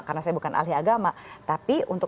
karena saya bukan ahli agama tapi untuk